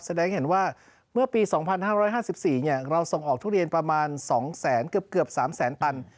แสดงเห็นว่าเมื่อปี๒๕๕๔เราส่งออกทุเรียนประมาณ๒เกือบ๓แสนตัน